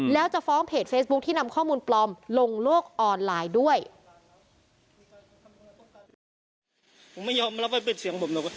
แล้วจะฟ้องเพจเฟซบุ๊คที่นำข้อมูลปลอมลงโลกออนไลน์ด้วย